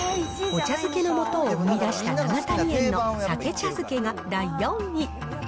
お茶漬けのもとを生み出した永谷園のさけ茶づけが第４位。